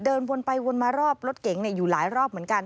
เดินวนไปวนมารอบรถเก๋งอยู่หลายรอบเหมือนกัน